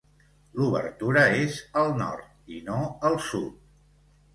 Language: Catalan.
L'obertura és al nord, i no al sud.